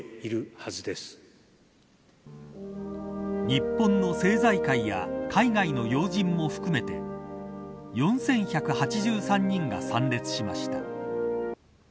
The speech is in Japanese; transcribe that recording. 日本の政財界や海外の要人も含めて４１８３人が参列しました。